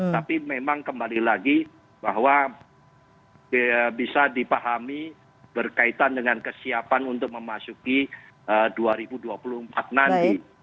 tapi memang kembali lagi bahwa bisa dipahami berkaitan dengan kesiapan untuk memasuki dua ribu dua puluh empat nanti